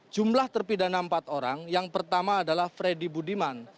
jumlah terpidana empat orang yang pertama adalah freddy budiman